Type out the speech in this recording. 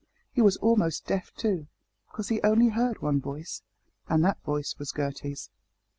He was almost deaf too, because he heard only one voice and that voice was Gertie's.